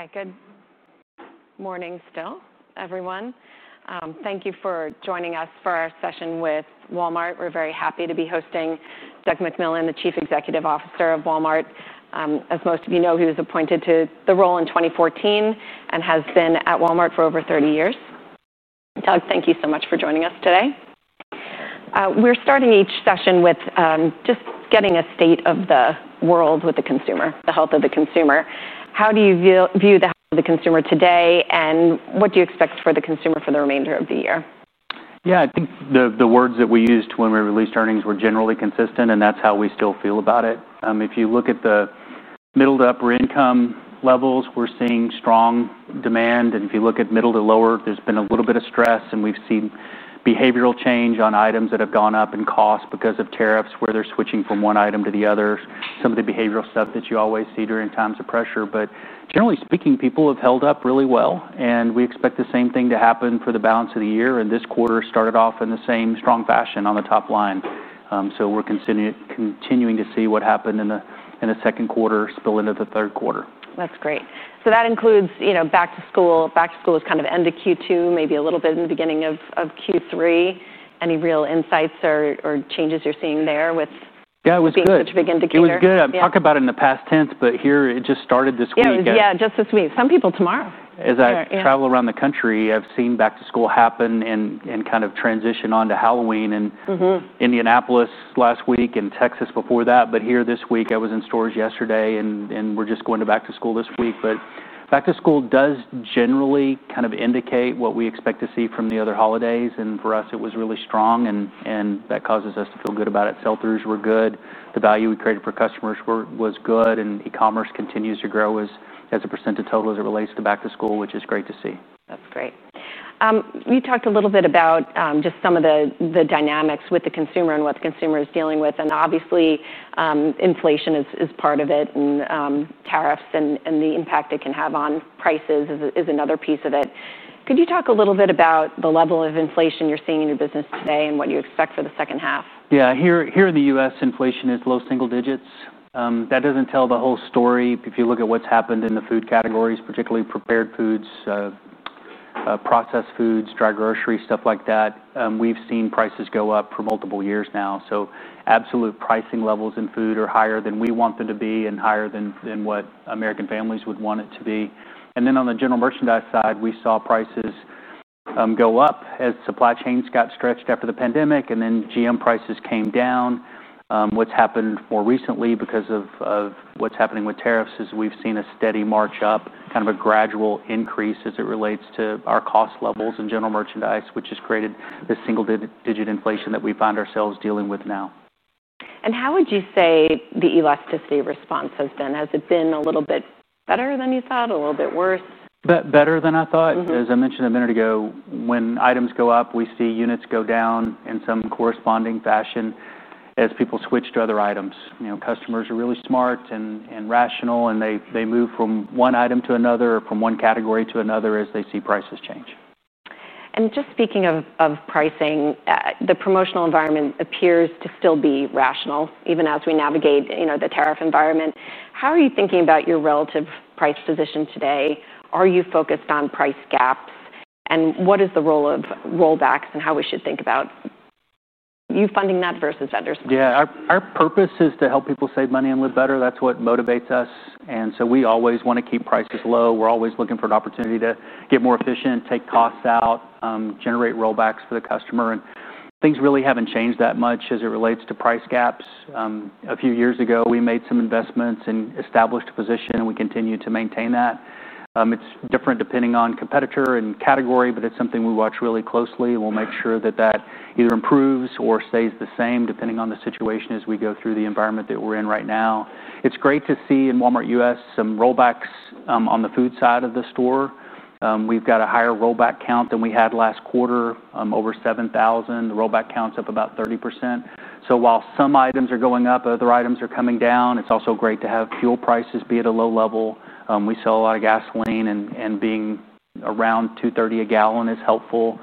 Okay, good morning still, everyone. Thank you for joining us for our session with Walmart. We're very happy to be hosting Doug McMillon, the Chief Executive Officer of Walmart. As most of you know, he was appointed to the role in 2014 and has been at Walmart for over 30 years. Doug, thank you so much for joining us today. We're starting each session with, just getting a state of the world with the consumer, the health of the consumer. How do you view the health of the consumer today, and what do you expect for the consumer for the remainder of the year? Yeah, I think the words that we used when we released earnings were generally consistent, and that's how we still feel about it. If you look at the middle to upper income levels, we're seeing strong demand, and if you look at middle to lower, there's been a little bit of stress, and we've seen behavioral change on items that have gone up in cost because of tariffs, where they're switching from one item to the other. Some of the behavioral stuff that you always see during times of pressure, but generally speaking, people have held up really well, and we expect the same thing to happen for the balance of the year, and this quarter started off in the same strong fashion on the top line, so we're continuing to see what happened in the second quarter spill into the third quarter. That's great. So that includes, you know, back-to-school. Back-to-school was kind of end of Q2, maybe a little bit in the beginning of Q3. Any real insights or changes you're seeing there with? Yeah, it was good. Being such a big indicator? It was good. I've talked about it in the past tense, but here it just started this week. Yeah, yeah, just this week. Some people tomorrow. As I travel around the country, I've seen back-to-school happen and kind of transition on to Halloween and. Mm-hmm. Indianapolis last week and Texas before that, but here this week, I was in stores yesterday, and we're just going to back-to-school this week, but back to school does generally kind of indicate what we expect to see from the other holidays, and for us, it was really strong, and that causes us to feel good about it. Sell-throughs were good. The value we created for customers was good. And e-commerce continues to grow as a percent of total as it relates to back to school, which is great to see. That's great. You talked a little bit about, just some of the dynamics with the consumer and what the consumer is dealing with. And obviously, inflation is part of it, and tariffs and the impact it can have on prices is another piece of it. Could you talk a little bit about the level of inflation you're seeing in your business today and what you expect for the second half? Yeah, here in the U.S., inflation is low single digits. That doesn't tell the whole story. If you look at what's happened in the food categories, particularly prepared foods, processed foods, dry grocery, stuff like that, we've seen prices go up for multiple years now, so absolute pricing levels in food are higher than we want them to be and higher than what American families would want it to be, and then on the general merchandise side, we saw prices go up as supply chains got stretched after the pandemic, and then GM prices came down, what's happened more recently because of what's happening with tariffs is we've seen a steady march up, kind of a gradual increase as it relates to our cost levels in general merchandise, which has created the single digit inflation that we find ourselves dealing with now. How would you say the elasticity response has been? Has it been a little bit better than you thought, a little bit worse? Better than I thought. Mm-hmm. As I mentioned a minute ago, when items go up, we see units go down in some corresponding fashion as people switch to other items. You know, customers are really smart and rational, and they move from one item to another or from one category to another as they see prices change. Just speaking of pricing, the promotional environment appears to still be rational even as we navigate, you know, the tariff environment. How are you thinking about your relative price position today? Are you focused on price gaps? What is the role of rollbacks and how we should think about you funding that versus vendors' money? Yeah, our purpose is to help people save money and live better. That's what motivates us. And so we always want to keep prices low. We're always looking for an opportunity to get more efficient, take costs out, generate rollbacks for the customer. And things really haven't changed that much as it relates to price gaps. A few years ago, we made some investments and established a position, and we continue to maintain that. It's different depending on competitor and category, but it's something we watch really closely. We'll make sure that either improves or stays the same depending on the situation as we go through the environment that we're in right now. It's great to see in Walmart U.S. some rollbacks on the food side of the store. We've got a higher rollback count than we had last quarter, over 7,000. The rollback count's up about 30%. While some items are going up, other items are coming down. It's also great to have fuel prices be at a low level. We sell a lot of gasoline, and being around $2.30 a gallon is helpful.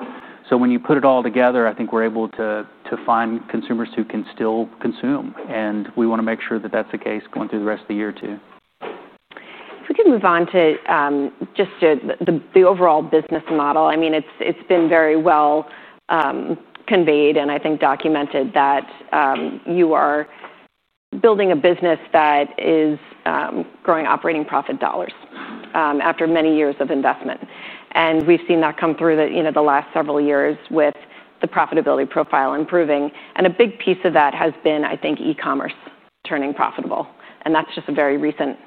When you put it all together, I think we're able to find consumers who can still consume, and we want to make sure that that's the case going through the rest of the year too. If we could move on to just the overall business model. I mean, it's been very well conveyed and I think documented that you are building a business that is growing operating profit dollars after many years of investment, and we've seen that come through, you know, the last several years with the profitability profile improving, and a big piece of that has been, I think, e-commerce turning profitable, and that's just a very recent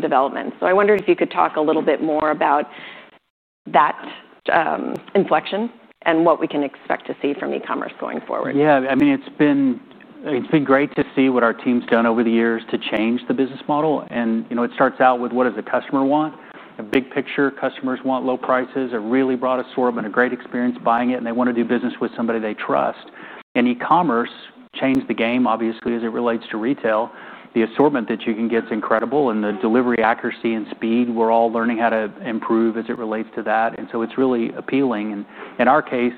development, so I wondered if you could talk a little bit more about that inflection and what we can expect to see from e-commerce going forward. Yeah, I mean, it's been great to see what our team's done over the years to change the business model. And, you know, it starts out with what does the customer want? A big picture. Customers want low prices, a really broad assortment, a great experience buying it, and they want to do business with somebody they trust. And e-commerce changed the game, obviously, as it relates to retail. The assortment that you can get's incredible, and the delivery accuracy and speed, we're all learning how to improve as it relates to that. And so it's really appealing. And in our case,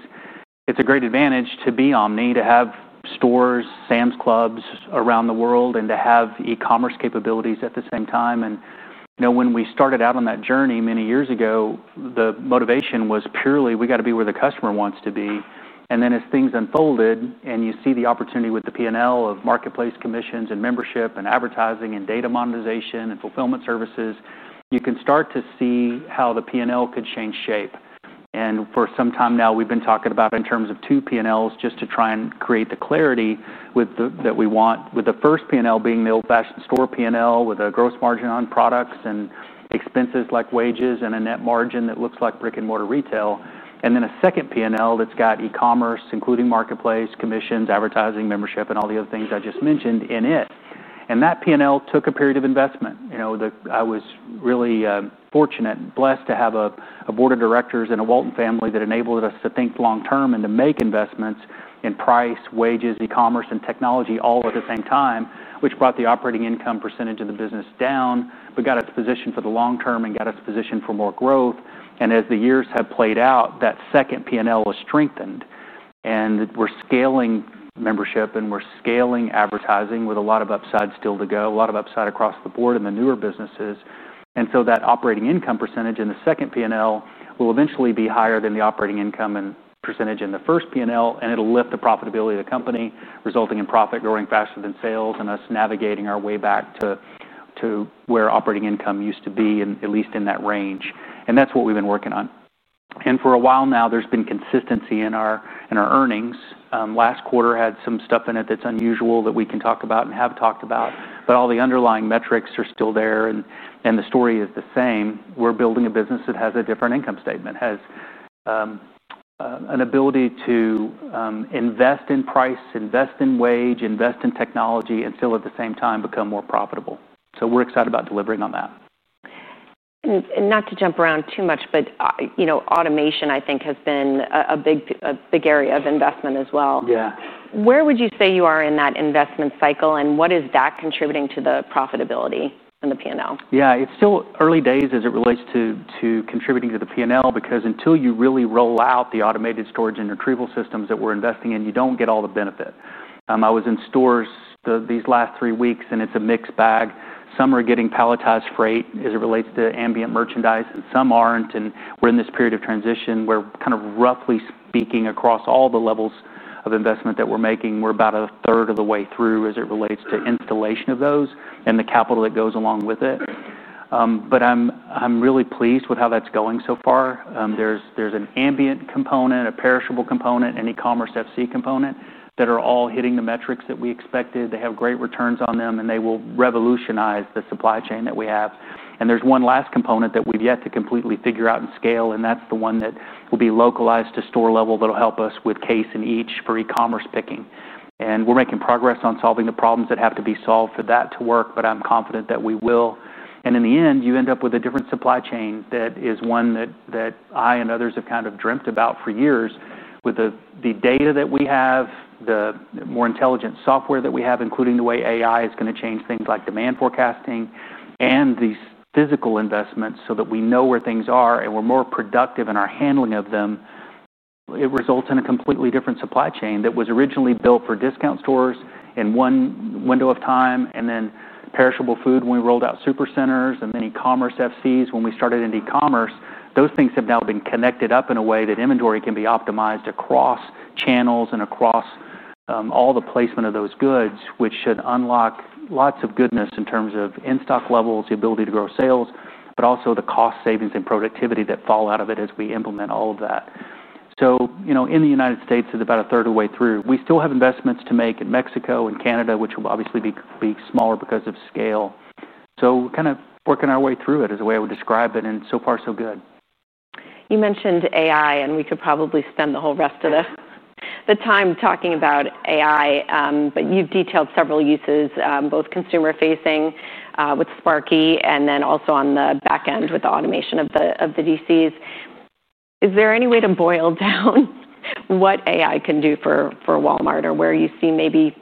it's a great advantage to be omni, to have stores, Sam's Clubs around the world, and to have e-commerce capabilities at the same time. And, you know, when we started out on that journey many years ago, the motivation was purely we got to be where the customer wants to be. And then as things unfolded and you see the opportunity with the P&L of marketplace commissions and membership and advertising and data monetization and fulfillment services, you can start to see how the P&L could change shape. And for some time now, we've been talking about in terms of two P&Ls just to try and create the clarity that we want, with the first P&L being the old-fashioned store P&L with a gross margin on products and expenses like wages and a net margin that looks like brick-and-mortar retail. And then a second P&L that's got e-commerce, including marketplace commissions, advertising, membership, and all the other things I just mentioned in it. And that P&L took a period of investment. You know, I was really fortunate and blessed to have a board of directors and a Walton family that enabled us to think long-term and to make investments in price, wages, E-commerce, and technology all at the same time, which brought the operating income percentage of the business down but got us positioned for the long-term and got us positioned for more growth, and as the years have played out, that second P&L was strengthened, and we're scaling membership, and we're scaling advertising with a lot of upside still to go, a lot of upside across the board in the newer businesses. That operating income percentage in the second P&L will eventually be higher than the operating income and percentage in the first P&L, and it'll lift the profitability of the company, resulting in profit growing faster than sales and us navigating our way back to where operating income used to be and at least in that range. That's what we've been working on. For a while now, there's been consistency in our earnings. Last quarter had some stuff in it that's unusual that we can talk about and have talked about. All the underlying metrics are still there, and the story is the same. We're building a business that has a different income statement, has an ability to invest in price, invest in wage, invest in technology, and still at the same time become more profitable. We're excited about delivering on that. Not to jump around too much, but you know, automation, I think, has been a big area of investment as well. Yeah. Where would you say you are in that investment cycle, and what is that contributing to the profitability in the P&L? Yeah, it's still early days as it relates to contributing to the P&L because until you really roll out the automated storage and retrieval systems that we're investing in, you don't get all the benefit. I was in stores these last three weeks, and it's a mixed bag. Some are getting palletized freight as it relates to ambient merchandise, and some aren't. And we're in this period of transition where kind of roughly speaking, across all the levels of investment that we're making, we're about a third of the way through as it relates to installation of those and the capital that goes along with it. But I'm really pleased with how that's going so far. There's an ambient component, a perishable component, and e-commerce FC component that are all hitting the metrics that we expected. They have great returns on them, and they will revolutionize the supply chain that we have, and there's one last component that we've yet to completely figure out and scale, and that's the one that will be localized to store level that'll help us with case and each for e-commerce picking, and we're making progress on solving the problems that have to be solved for that to work, but I'm confident that we will, and in the end, you end up with a different supply chain that is one that I and others have kind of dreamt about for years with the data that we have, the more intelligent software that we have, including the way AI is going to change things like demand forecasting and these physical investments so that we know where things are and we're more productive in our handling of them. It results in a completely different supply chain that was originally built for discount stores in one window of time, then perishable food when we rolled out Supercenters and then e-commerce FCs when we started into e-commerce. Those things have now been connected up in a way that inventory can be optimized across channels and across all the placement of those goods, which should unlock lots of goodness in terms of in-stock levels, the ability to grow sales, but also the cost savings and productivity that fall out of it as we implement all of that. You know, in the United States, it's about a third of the way through. We still have investments to make in Mexico and Canada, which will obviously be smaller because of scale. We're kind of working our way through it is the way I would describe it. So far, so good. You mentioned AI, and we could probably spend the whole rest of the time talking about AI, but you've detailed several uses, both consumer-facing, with Sparky, and then also on the back end with the automation of the DCs. Is there any way to boil down what AI can do for Walmart or where you see maybe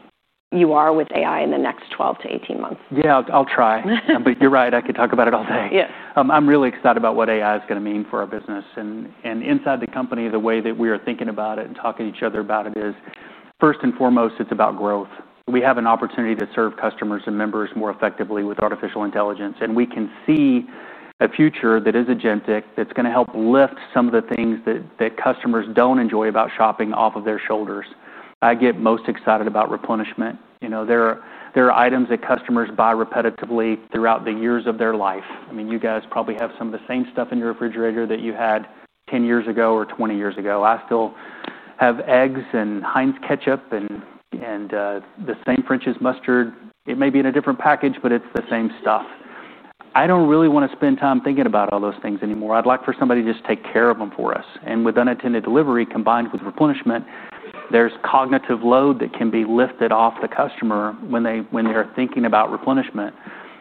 you are with AI in the next 12 to 18 months? Yeah, I'll, I'll try. But you're right. I could talk about it all day. Yeah. I'm really excited about what AI is going to mean for our business. And inside the company, the way that we are thinking about it and talking to each other about it is, first and foremost, it's about growth. We have an opportunity to serve customers and members more effectively with artificial intelligence. And we can see a future that is agentic that's going to help lift some of the things that customers don't enjoy about shopping off of their shoulders. I get most excited about replenishment. You know, there are items that customers buy repetitively throughout the years of their life. I mean, you guys probably have some of the same stuff in your refrigerator that you had 10 years ago or 20 years ago. I still have eggs and Heinz ketchup and the same French's mustard. It may be in a different package, but it's the same stuff. I don't really want to spend time thinking about all those things anymore. I'd like for somebody to just take care of them for us. And with unattended delivery combined with replenishment, there's cognitive load that can be lifted off the customer when they're thinking about replenishment.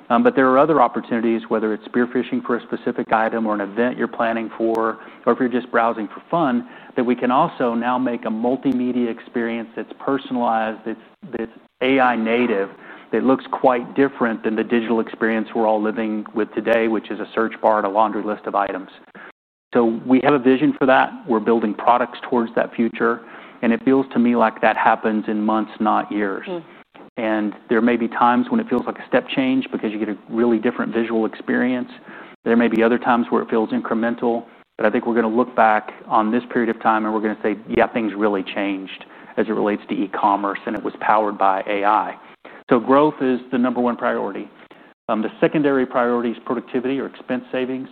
But there are other opportunities, whether it's spearfishing for a specific item or an event you're planning for, or if you're just browsing for fun, that we can also now make a multimedia experience that's personalized, that's AI native, that looks quite different than the digital experience we're all living with today, which is a search bar and a laundry list of items. So we have a vision for that. We're building products towards that future. And it feels to me like that happens in months, not years. Mm-hmm. And there may be times when it feels like a step change because you get a really different visual experience. There may be other times where it feels incremental. But I think we're going to look back on this period of time, and we're going to say, "Yeah, things really changed as it relates to e-commerce, and it was powered by AI." So growth is the number one priority. The secondary priority is productivity or expense savings.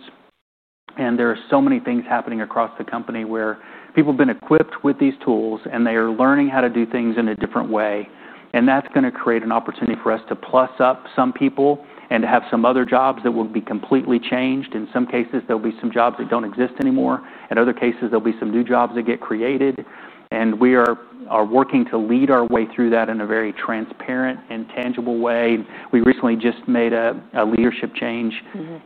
And there are so many things happening across the company where people have been equipped with these tools, and they are learning how to do things in a different way. And that's going to create an opportunity for us to plus up some people and to have some other jobs that will be completely changed. In some cases, there'll be some jobs that don't exist anymore. In other cases, there'll be some new jobs that get created. And we are working to lead our way through that in a very transparent and tangible way. We recently just made a leadership change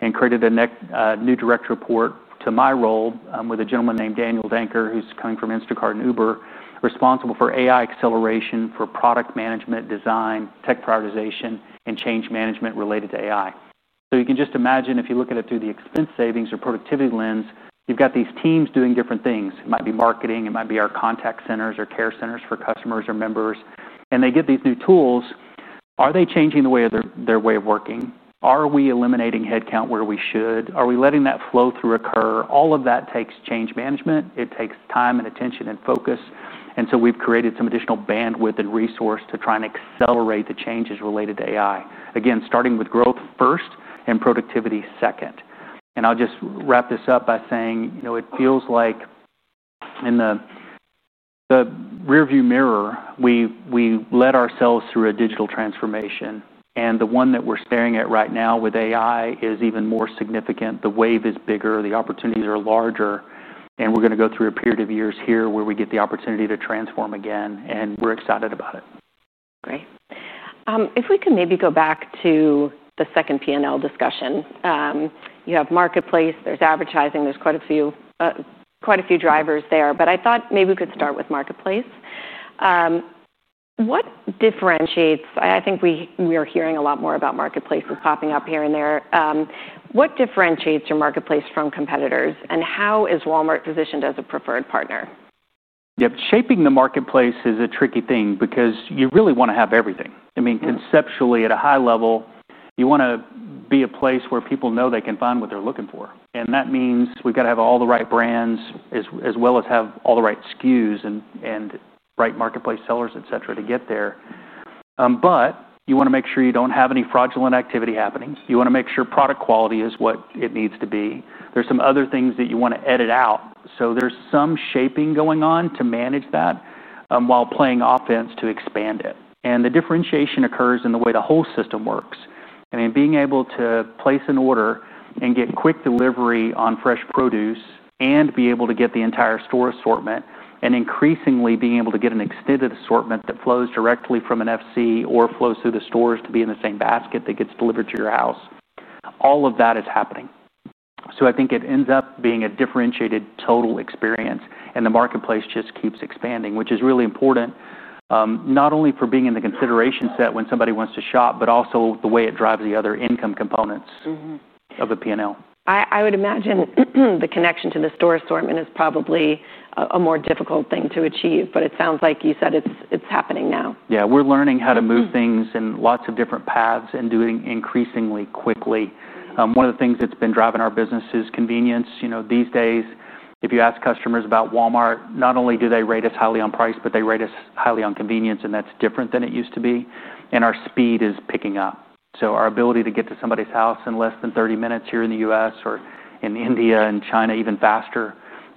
and created a new direct report to my role, with a gentleman named Daniel Danker, who's coming from Instacart and Uber, responsible for AI acceleration for product management, design, tech prioritization, and change management related to AI. So you can just imagine, if you look at it through the expense savings or productivity lens, you've got these teams doing different things. It might be marketing. It might be our contact centers or care centers for customers or members. And they get these new tools. Are they changing the way of their way of working? Are we eliminating headcount where we should? Are we letting that flow through occur? All of that takes change management. It takes time and attention and focus. And so we've created some additional bandwidth and resource to try and accelerate the changes related to AI. Again, starting with growth first and productivity second. And I'll just wrap this up by saying, you know, it feels like in the rearview mirror, we led ourselves through a digital transformation. And the one that we're staring at right now with AI is even more significant. The wave is bigger. The opportunities are larger. And we're going to go through a period of years here where we get the opportunity to transform again. And we're excited about it. Great. If we could maybe go back to the second P&L discussion. You have marketplace. There's advertising. There's quite a few, quite a few drivers there, but I thought maybe we could start with marketplace. What differentiates? I, I think we, we are hearing a lot more about marketplaces popping up here and there. What differentiates your marketplace from competitors, and how is Walmart positioned as a preferred partner? Yep. Shaping the marketplace is a tricky thing because you really want to have everything. I mean, conceptually, at a high level, you want to be a place where people know they can find what they're looking for. And that means we've got to have all the right brands as well as have all the right SKUs and right marketplace sellers, etc., to get there. But you want to make sure you don't have any fraudulent activity happening. You want to make sure product quality is what it needs to be. There's some other things that you want to edit out. So there's some shaping going on to manage that, while playing offense to expand it. And the differentiation occurs in the way the whole system works. I mean, being able to place an order and get quick delivery on fresh produce and be able to get the entire store assortment and increasingly being able to get an extended assortment that flows directly from an FC or flows through the stores to be in the same basket that gets delivered to your house. All of that is happening, so I think it ends up being a differentiated total experience, and the marketplace just keeps expanding, which is really important, not only for being in the consideration set when somebody wants to shop, but also the way it drives the other income components of a P&L. I would imagine the connection to the store assortment is probably a more difficult thing to achieve. But it sounds like you said it's happening now. Yeah. We're learning how to move things in lots of different paths and doing increasingly quickly. One of the things that's been driving our business is convenience. You know, these days, if you ask customers about Walmart, not only do they rate us highly on price, but they rate us highly on convenience, and that's different than it used to be, and our speed is picking up, so our ability to get to somebody's house in less than 30 minutes here in the U.S. or in India and China even faster,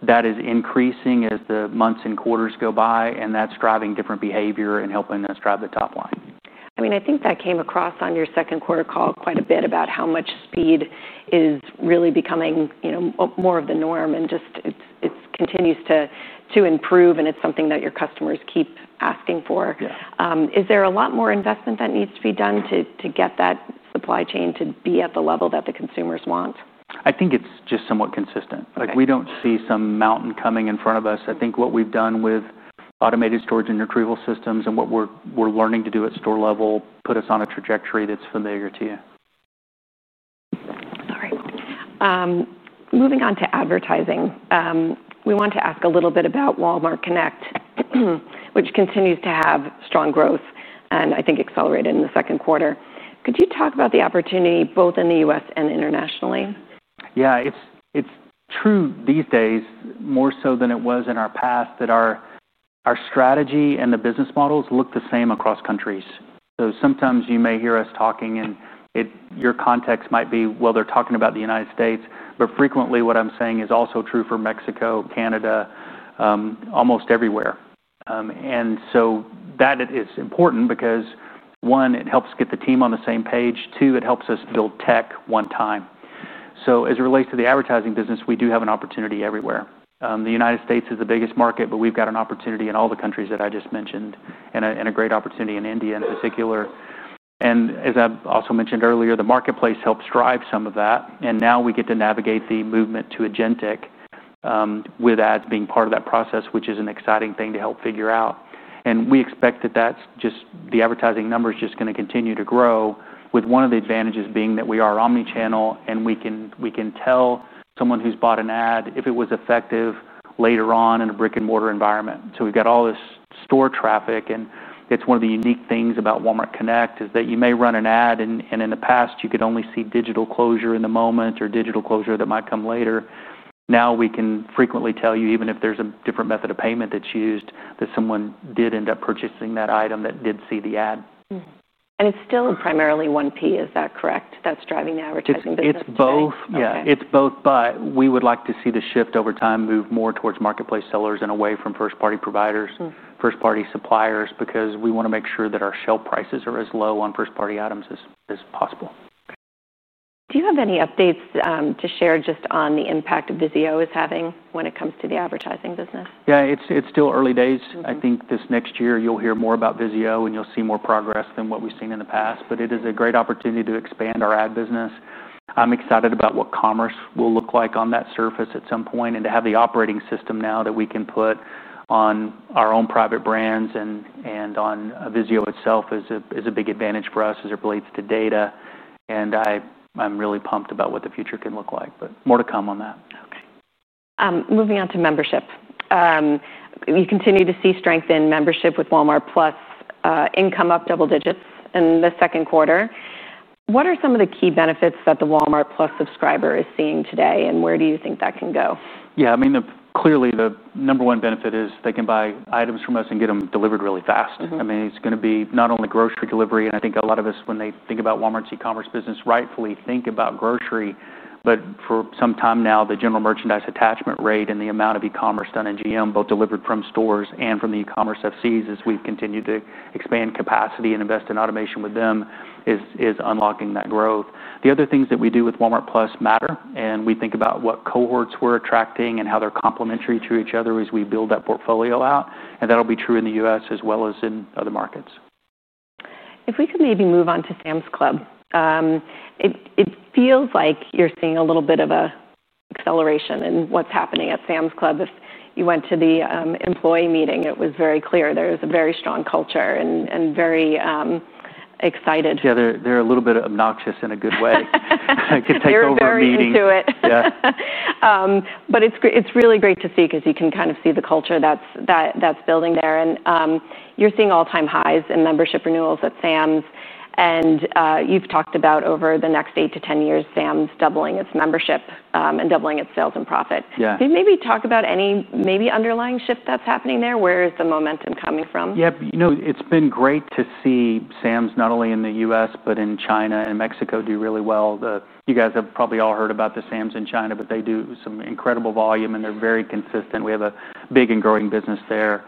that is increasing as the months and quarters go by, and that's driving different behavior and helping us drive the top line. I mean, I think that came across on your second quarter call quite a bit about how much speed is really becoming, you know, more of the norm. And just it continues to improve. And it's something that your customers keep asking for. Yeah. Is there a lot more investment that needs to be done to get that supply chain to be at the level that the consumers want? I think it's just somewhat consistent. Okay. Like we don't see some mountain coming in front of us. I think what we've done with automated storage and retrieval systems and what we're learning to do at store level put us on a trajectory that's familiar to you. All right. Moving on to advertising. We want to ask a little bit about Walmart Connect, which continues to have strong growth and I think accelerated in the second quarter. Could you talk about the opportunity both in the U.S. and internationally? Yeah. It's, it's true these days more so than it was in our past that our, our strategy and the business models look the same across countries. So sometimes you may hear us talking, and in your context might be, "Well, they're talking about the United States." But frequently, what I'm saying is also true for Mexico, Canada, almost everywhere, and so that is important because, one, it helps get the team on the same page. Two, it helps us build tech one time. So as it relates to the advertising business, we do have an opportunity everywhere. The United States is the biggest market, but we've got an opportunity in all the countries that I just mentioned and a, and a great opportunity in India in particular, and as I also mentioned earlier, the marketplace helps drive some of that. And now we get to navigate the movement to agentic, with ads being part of that process, which is an exciting thing to help figure out. And we expect that that's just the advertising number is just going to continue to grow, with one of the advantages being that we are omnichannel and we can, we can tell someone who's bought an ad if it was effective later on in a brick-and-mortar environment. So we've got all this store traffic. And it's one of the unique things about Walmart Connect is that you may run an ad, and in the past, you could only see digital closure in the moment or digital closure that might come later. Now we can frequently tell you, even if there's a different method of payment that's used, that someone did end up purchasing that item that did see the ad. It's still primarily 1P, is that correct? That's driving the advertising business? It's both. Okay. Yeah. It's both. But we would like to see the shift over time move more towards marketplace sellers and away from first-party providers, first-party suppliers because we want to make sure that our shelf prices are as low on first-party items as, as possible. Do you have any updates, to share just on the impact VIZIO is having when it comes to the advertising business? Yeah. It's still early days. I think this next year you'll hear more about VIZIO, and you'll see more progress than what we've seen in the past. But it is a great opportunity to expand our ad business. I'm excited about what commerce will look like on that surface at some point. And to have the operating system now that we can put on our own private brands and on VIZIO itself is a big advantage for us as it relates to data. And I'm really pumped about what the future can look like. But more to come on that. Okay. Moving on to membership. You continue to see strength in membership with Walmart+, income up double digits in the second quarter. What are some of the key benefits that the Walmart+ subscriber is seeing today, and where do you think that can go? Yeah. I mean, clearly, the number one benefit is they can buy items from us and get them delivered really fast. Mm-hmm. I mean, it's going to be not only grocery delivery, and I think a lot of us, when they think about Walmart's e-commerce business, rightfully think about grocery, but for some time now, the general merchandise attachment rate and the amount of e-commerce done in GM, both delivered from stores and from the e-commerce FCs, as we've continued to expand capacity and invest in automation with them, is unlocking that growth. The other things that we do with Walmart+ matter, and we think about what cohorts we're attracting and how they're complementary to each other as we build that portfolio out, and that'll be true in the U.S. as well as in other markets. If we could maybe move on to Sam's Club. It feels like you're seeing a little bit of an acceleration in what's happening at Sam's Club. If you went to the employee meeting, it was very clear there is a very strong culture and very excited. Yeah. They're, they're a little bit obnoxious in a good way. Yeah. They're very into it. I can take over a meeting. Yeah. But it's great. It's really great to see because you can kind of see the culture that's building there. And, you're seeing all-time highs in membership renewals at Sam's. And, you've talked about over the next 8 to 10 years, Sam's doubling its membership, and doubling its sales and profit. Yeah. Could you maybe talk about any maybe underlying shift that's happening there? Where is the momentum coming from? Yep. You know, it's been great to see Sam's, not only in the U.S. but in China and Mexico, do really well. You guys have probably all heard about the Sam's in China, but they do some incredible volume, and they're very consistent. We have a big and growing business there.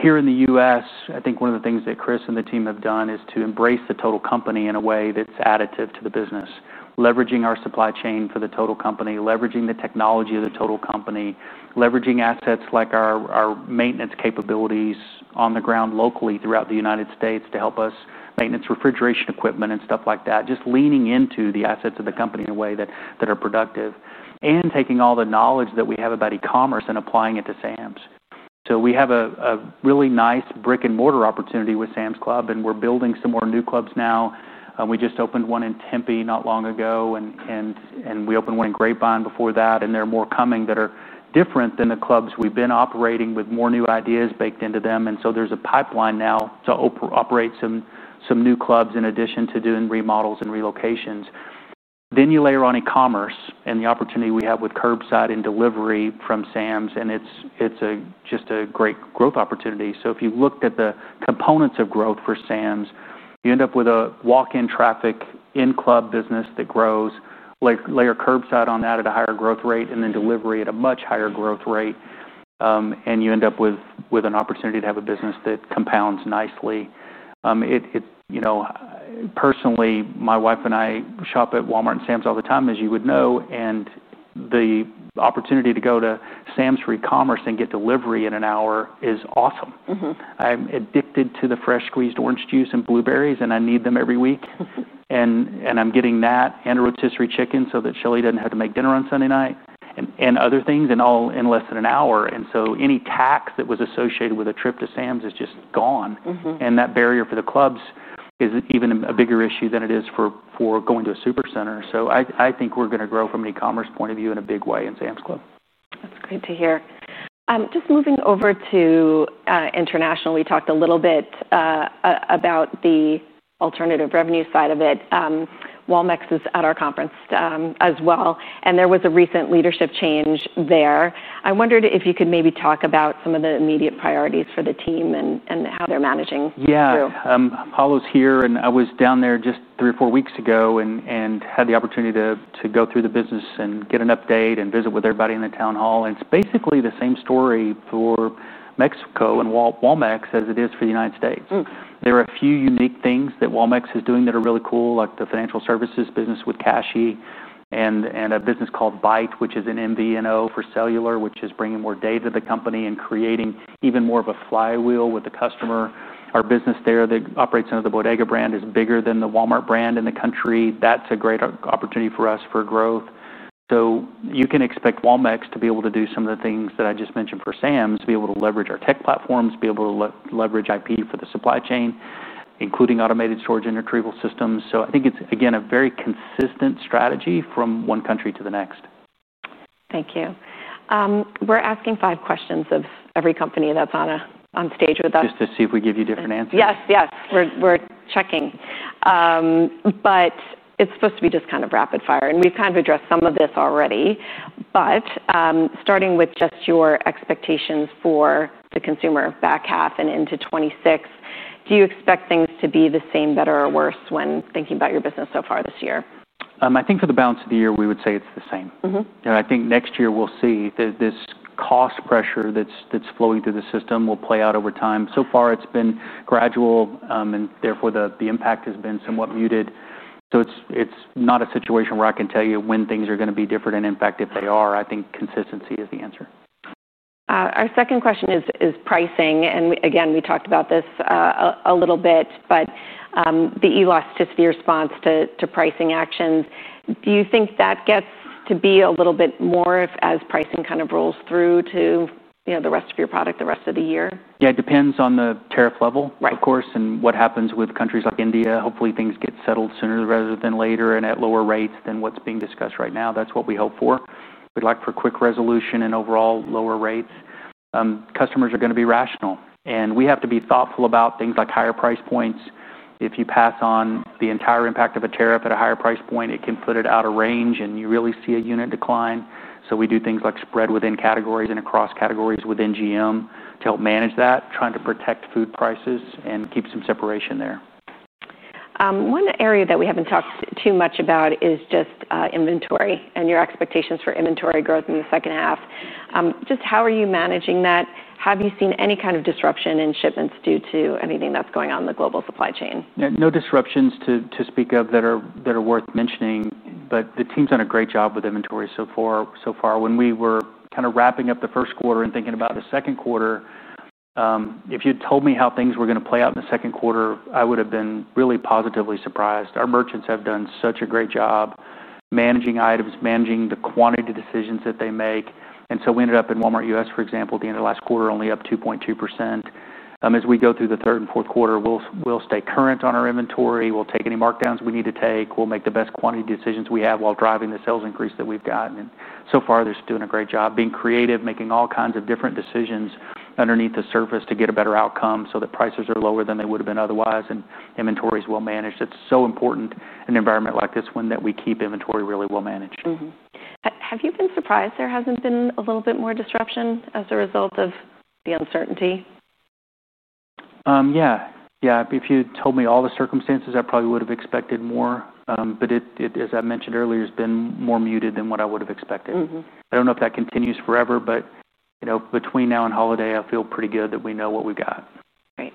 Here in the U.S., I think one of the things that Chris and the team have done is to embrace the total company in a way that's additive to the business, leveraging our supply chain for the total company, leveraging the technology of the total company, leveraging assets like our maintenance capabilities on the ground locally throughout the United States to help us maintain refrigeration equipment and stuff like that, just leaning into the assets of the company in a way that are productive and taking all the knowledge that we have about e-commerce and applying it to Sam's. So we have a really nice brick-and-mortar opportunity with Sam's Club, and we're building some more new clubs now. We just opened one in Tempe not long ago, and we opened one in Grapevine before that. There are more coming that are different than the clubs we've been operating with more new ideas baked into them. So there's a pipeline now to operate some new clubs in addition to doing remodels and relocations. Then you layer on e-commerce and the opportunity we have with curbside and delivery from Sam's. It's just a great growth opportunity. If you looked at the components of growth for Sam's, you end up with a walk-in traffic in-club business that grows. Layer curbside on that at a higher growth rate and then delivery at a much higher growth rate. You end up with an opportunity to have a business that compounds nicely. It, you know, personally, my wife and I shop at Walmart and Sam's all the time, as you would know. The opportunity to go to Sam's for e-commerce and get delivery in an hour is awesome. Mm-hmm. I'm addicted to the fresh squeezed orange juice and blueberries, and I need them every week. And I'm getting that and a rotisserie chicken so that Shelley doesn't have to make dinner on Sunday night and other things all in less than an hour. And so any taxi that was associated with a trip to Sam's is just gone. Mm-hmm. That barrier for the clubs is even a bigger issue than it is for going to a super center. I think we're going to grow from an e-commerce point of view in a big way in Sam's Club. That's great to hear. Just moving over to international, we talked a little bit about the alternative revenue side of it. Walmart is at our conference, as well, and there was a recent leadership change there. I wondered if you could maybe talk about some of the immediate priorities for the team and how they're managing through. Yeah. Paulo's here. I was down there just three or four weeks ago and had the opportunity to go through the business and get an update and visit with everybody in the town hall. It's basically the same story for Mexico and Walmart as it is for the United States. Mm-hmm. There are a few unique things that Walmart is doing that are really cool, like the financial services business with Cashi and a business called BAIT, which is an MVNO for cellular, which is bringing more data to the company and creating even more of a flywheel with the customer. Our business there that operates under the Bodega brand is bigger than the Walmart brand in the country. That's a great opportunity for us for growth. So you can expect Walmart to be able to do some of the things that I just mentioned for Sam's, to be able to leverage our tech platforms, be able to leverage IP for the supply chain, including automated storage and retrieval systems. So I think it's, again, a very consistent strategy from one country to the next. Thank you. We're asking five questions of every company that's on stage with us. Just to see if we give you different answers. Yes. Yes. We're checking, but it's supposed to be just kind of rapid fire. We've kind of addressed some of this already. Starting with just your expectations for the consumer back half and into 2026, do you expect things to be the same, better, or worse when thinking about your business so far this year? I think for the balance of the year, we would say it's the same. Mm-hmm. I think next year we'll see that this cost pressure that's flowing through the system will play out over time. So far, it's been gradual, and therefore the impact has been somewhat muted. So it's not a situation where I can tell you when things are going to be different. In fact, if they are, I think consistency is the answer. Our second question is pricing, and again, we talked about this a little bit, but the elasticity response to pricing actions, do you think that gets to be a little bit more if, as pricing kind of rolls through to, you know, the rest of your product, the rest of the year? Yeah. It depends on the tariff level. Right. Of course. And what happens with countries like India, hopefully things get settled sooner rather than later and at lower rates than what's being discussed right now. That's what we hope for. We'd like for quick resolution and overall lower rates. Customers are going to be rational. And we have to be thoughtful about things like higher price points. If you pass on the entire impact of a tariff at a higher price point, it can put it out of range, and you really see a unit decline. So we do things like spread within categories and across categories within GM to help manage that, trying to protect food prices and keep some separation there. One area that we haven't talked too much about is just inventory and your expectations for inventory growth in the second half. Just how are you managing that? Have you seen any kind of disruption in shipments due to anything that's going on in the global supply chain? No, no disruptions to speak of that are worth mentioning. But the team's done a great job with inventory so far. When we were kind of wrapping up the first quarter and thinking about the second quarter, if you'd told me how things were going to play out in the second quarter, I would have been really positively surprised. Our merchants have done such a great job managing items, managing the quantity decisions that they make. And so we ended up in Walmart U.S., for example, at the end of last quarter, only up 2.2%. As we go through the third and fourth quarter, we'll stay current on our inventory. We'll take any markdowns we need to take. We'll make the best quantity decisions we have while driving the sales increase that we've got. And so far, they're just doing a great job being creative, making all kinds of different decisions underneath the surface to get a better outcome so that prices are lower than they would have been otherwise and inventory is well managed. It's so important in an environment like this one that we keep inventory really well managed. Mm-hmm. Have you been surprised there hasn't been a little bit more disruption as a result of the uncertainty? Yeah. If you'd told me all the circumstances, I probably would have expected more. But it, as I mentioned earlier, has been more muted than what I would have expected. Mm-hmm. I don't know if that continues forever, but you know, between now and holiday, I feel pretty good that we know what we've got. Great.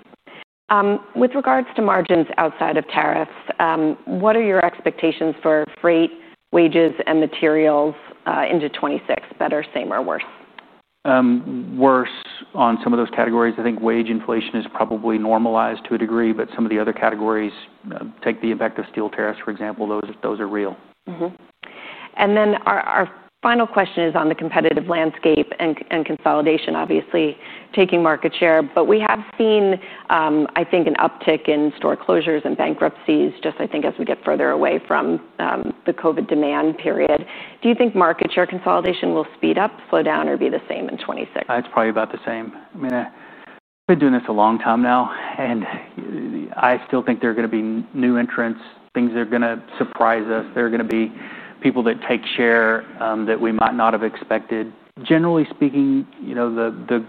With regards to margins outside of tariffs, what are your expectations for freight, wages, and materials, into 2026, better, same, or worse? Worse on some of those categories. I think wage inflation has probably normalized to a degree. But some of the other categories, take the impact of steel tariffs, for example. Those are real. And then our final question is on the competitive landscape and consolidation, obviously, taking market share. But we have seen, I think, an uptick in store closures and bankruptcies just, I think, as we get further away from the COVID demand period. Do you think market share consolidation will speed up, slow down, or be the same in 2026? It's probably about the same. I mean, we've been doing this a long time now, and I still think there are going to be new entrants, things that are going to surprise us. There are going to be people that take share, that we might not have expected. Generally speaking, you know, the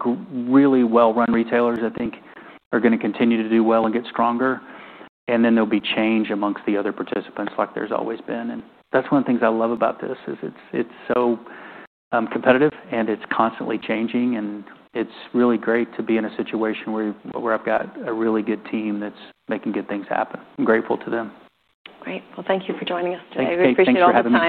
really well-run retailers, I think, are going to continue to do well and get stronger, and then there'll be change amongst the other participants like there's always been. And that's one of the things I love about this is it's so competitive, and it's constantly changing. And it's really great to be in a situation where I've got a really good team that's making good things happen. I'm grateful to them. Great. Well, thank you for joining us today. Thank you. We appreciate all your time. Thank you so much.